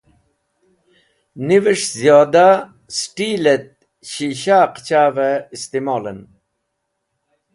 Nivẽs̃h ziyoda st̃ilẽt shishaẽ qẽchavẽ istimolẽn